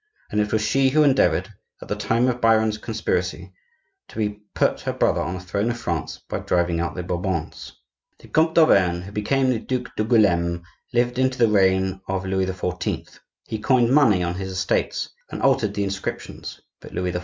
and it was she who endeavored, at the time of Biron's conspiracy, to put her brother on the throne of France by driving out the Bourbons. The Comte d'Auvergne, who became the Duc d'Angouleme, lived into the reign of Louis XIV. He coined money on his estates and altered the inscriptions; but Louis XIV.